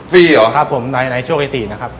ฟรีเหรอครับผมในโชคชัย๔นะครับ